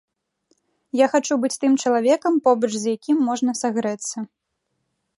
Я хачу быць тым чалавекам, побач з якім можна сагрэцца.